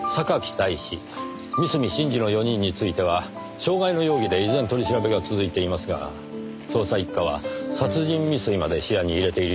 三隅慎二の４人については傷害の容疑で依然取り調べが続いていますが捜査一課は殺人未遂まで視野に入れているようですねぇ。